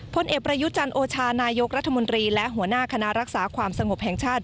พลเอกประยุจันทร์โอชานายกรัฐมนตรีและหัวหน้าคณะรักษาความสงบแห่งชาติ